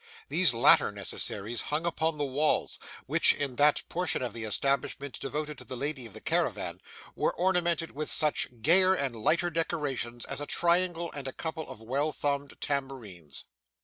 These latter necessaries hung upon the walls, which, in that portion of the establishment devoted to the lady of the caravan, were ornamented with such gayer and lighter decorations as a triangle and a couple of well thumbed tambourines.